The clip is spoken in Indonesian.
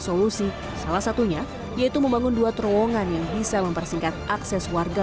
solusi salah satunya yaitu membangun dua terowongan yang bisa mempersingkat akses warga